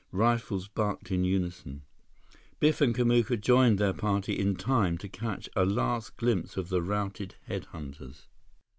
Rifles barked in unison. Biff and Kamuka joined their party in time to catch a last glimpse of the routed head hunters.